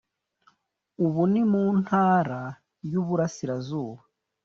ubu ni mu Ntara y’Uburasirazuba